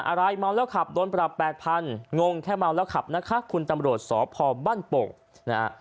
อะไรเมาแล้วขับโดนปรับแปดพันงงแค่เมาแล้วขับนะคะคุณตำรวจสพบ้านโป่งนะฮะ